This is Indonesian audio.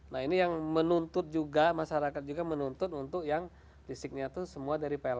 nah ini yang menuntut juga masyarakat juga menuntut untuk yang listriknya itu semua dari pln